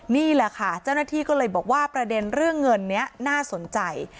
นี่แหละค่ะเจ้าหน้าที่ก็เลยบอกว่าประเด็นเรื่องเงินนี้น่าสนใจ